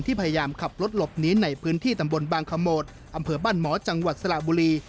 พยายามขับรถหลบหนีในพื้นที่ตำบลบางขโมดอำเภอบ้านหมอจังหวัดสระบุรี